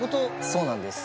そうなんです